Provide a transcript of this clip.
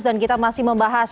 dan kita masih membahas